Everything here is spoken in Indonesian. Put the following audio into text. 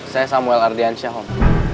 saya samuel ardiansyah om